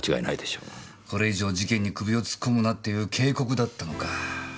これ以上事件に首を突っ込むなっていう警告だったのか。